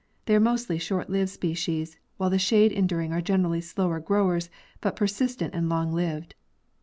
They are mostly short lived species, while the shade enduring are generally slower growers, but persistent and long lived.